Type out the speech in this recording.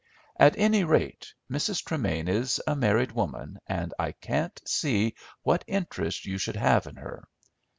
At any rate Mrs. Tremain is a married woman, and I can't see what interest you should have in her.